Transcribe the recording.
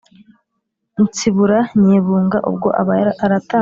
Ntsibura Nyebunga ubwo aba aratanze